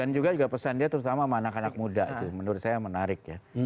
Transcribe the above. dan juga pesan dia terutama sama anak anak muda itu menurut saya menarik ya